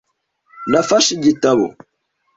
Nafashe igitabo .